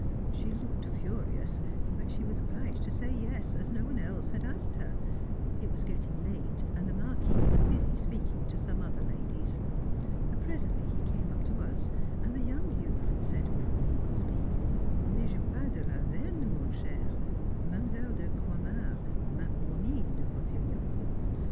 She looked furious, but she was obliged to say yes, as no one else had asked her; it was getting late, and the Marquis was busy speaking to some other ladies. Presently he came up to us, and the young youth said before he could speak: "N'ai je pas de la veine, mon cher, Mlle. de Croixmare m'a promis le cotillon."